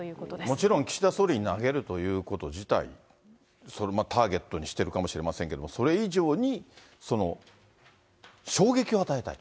もちろん、岸田総理に投げるということ自体、ターゲットにしているかもしれませんけど、それ以上に、衝撃を与えたい。